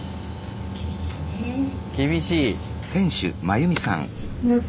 厳しい。